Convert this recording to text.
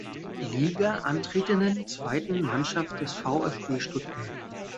Liga antretenden zweiten Mannschaft des VfB Stuttgart.